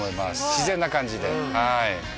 自然な感じで。